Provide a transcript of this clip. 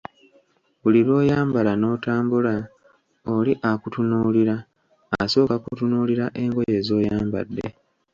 Buli lw‘oyambala n‘otambula, oli akutunuulira, asooka n‘atunuulira engoye z‘oyambadde.